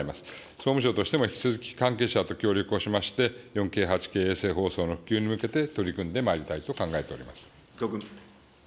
総務省としても、引き続き関係者と協力をしまして、４Ｋ８Ｋ衛星放送の普及に向けて取り組んでまいりたいと考えてお伊藤君。